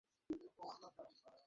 মা আমি দেখি না!